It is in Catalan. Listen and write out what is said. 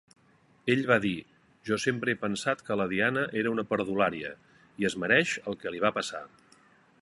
Ell va dir: Jo sempre he pensat que la Diana era una perdulària i es mereix el que li va passar.